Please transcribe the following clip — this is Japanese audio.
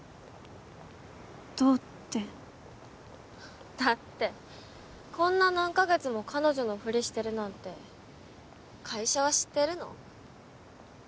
どうってだってこんな何ヵ月も彼女のふりしてるなんて会社は知ってるの？